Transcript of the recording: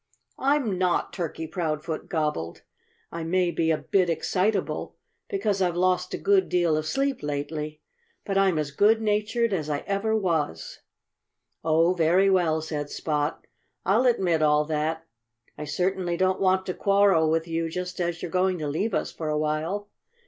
"I'm not!" Turkey Proudfoot gobbled. "I may be a bit excitable because I've lost a good deal of sleep lately. But I'm as good natured as I ever was." "Oh, very well!" said Spot. "I'll admit all that. I certainly don't want to quarrel with you just as you're going to leave us for a while....